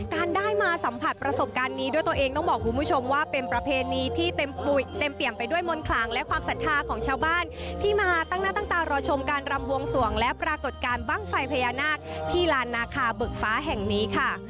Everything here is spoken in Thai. การได้มาสัมผัสประสบการณ์นี้ด้วยตัวเองต้องบอกคุณผู้ชมว่าเป็นประเพณีที่เต็มเปี่ยมไปด้วยมนต์คลังและความศรัทธาของชาวบ้านที่มาตั้งหน้าตั้งตารอชมการรำบวงสวงและปรากฏการณ์บ้างไฟพญานาคที่ลานนาคาบึกฟ้าแห่งนี้ค่ะ